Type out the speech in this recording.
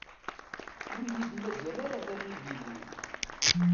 Ur iyi-d-mazal ara d amidi-nwen.